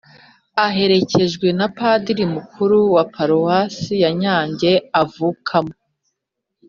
aherekejwe na padiri mukuru wa paruwasi yanyange avukamo